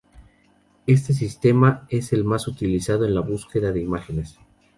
Este sistema es el más utilizado en búsqueda de imágenes.